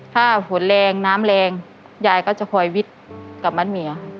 ถ้าฝนแรงน้ำแรงยายก็จะคอยวิทย์กับมัดเมีย